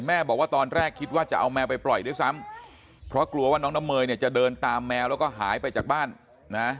แม่บอกว่าตอนแรกคิดว่าจะเอาแมวไปปล่อยด้วยซ้ำเพราะกลัวว่าน้องน้ำเมยเนี่ยจะเดินตามแมวแล้วก็หายไปจากบ้านนะ